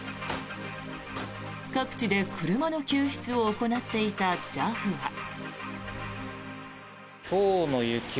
各地で車の救出を行っていたＪＡＦは。